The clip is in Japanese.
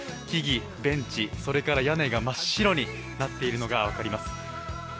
木々、ベンチ、それから屋根が真っ白になっているのが分かります。